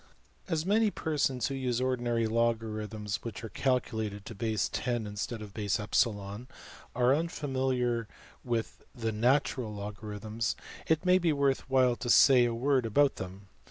As many persons who use ordinary logarithms, which are calculated to base~$10$ instead of base~$\epsilon$, are unfamiliar with the ``natural'' logarithms, it may be worth while to say a word about them.